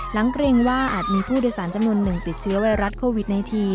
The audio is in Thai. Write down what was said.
เกรงว่าอาจมีผู้โดยสารจำนวนหนึ่งติดเชื้อไวรัสโควิด๑๙